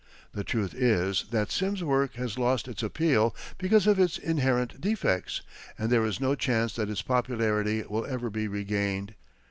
The truth is that Simms's work has lost its appeal because of its inherent defects, and there is no chance that its popularity will ever be regained.